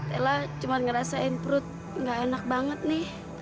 tella cuma ngerasain perut nggak enak banget nih